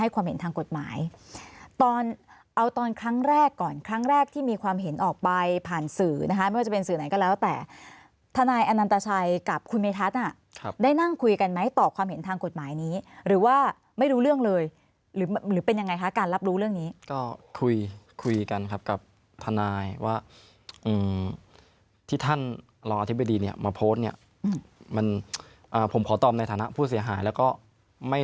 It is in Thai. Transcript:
ความเห็นทางกฎหมายตอนเอาตอนครั้งแรกก่อนครั้งแรกที่มีความเห็นออกไปผ่านสื่อนะคะไม่ว่าจะเป็นสื่อไหนก็แล้วแต่ทนายอนันตชัยกับคุณเมทัศน์ได้นั่งคุยกันไหมต่อความเห็นทางกฎหมายนี้หรือว่าไม่รู้เรื่องเลยหรือเป็นยังไงคะการรับรู้เรื่องนี้ก็คุยคุยกันครับกับทนายว่าที่ท่านรองอธิบดีเนี่ยมาโพสต์เนี่ยมันผมขอตอบในฐานะผู้เสียหายแล้วก็ไม่